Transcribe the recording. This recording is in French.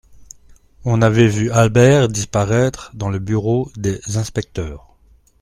On avait vu Albert disparaître dans le bureau des inspecteurs.